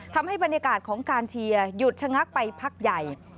ทำให้บรรยากาศของการเชียร์หยุดชะงักไปพักใหญ่